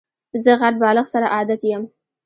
زه غټ بالښت سره عادت یم.